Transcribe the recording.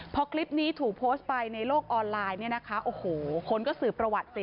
พอคลิปนี้ถูกโพสต์ไปในโลกออนไลน์คนก็สื่อประวัติสิ